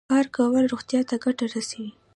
کار کول روغتیا ته ګټه رسوي.